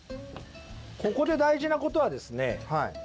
ここで大事なことはですね